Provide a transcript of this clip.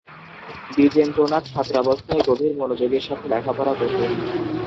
দ্বিজেন্দ্রনাথ ছাত্রাবস্থায় গভীর মনোযোগের সাথে লেখাপড়া করতেন।